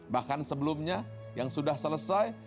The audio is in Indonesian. bahkan sebelumnya yang sudah selesai